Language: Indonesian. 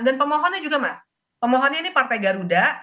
dan pemohonnya juga mas pemohonnya ini partai garuda